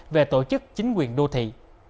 về tổ chức chính quyền đô thị